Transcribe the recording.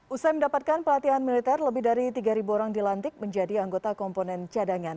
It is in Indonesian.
usai mendapatkan pelatihan militer lebih dari tiga orang dilantik menjadi anggota komponen cadangan